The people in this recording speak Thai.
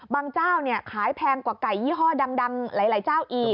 เจ้าขายแพงกว่าไก่ยี่ห้อดังหลายเจ้าอีก